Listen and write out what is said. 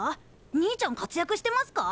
兄ちゃん活躍してますか？